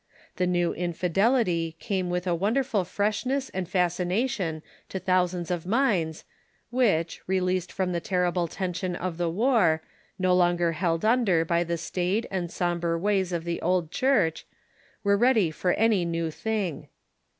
The new infidelity came with a wonderful freshness and fasci nation to thousands of minds, which, released from the terrible tension of the war, no longer held under by the staid and sombre ways of the old Church, were ready for any new thing.